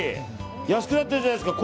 安くなってるじゃないですか。